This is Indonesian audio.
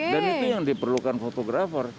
dan itu yang diperlukan fotografer